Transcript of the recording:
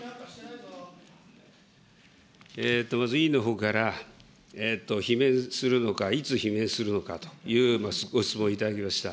委員のほうから罷免するのか、いつ罷免するのかという、ご質問いただきました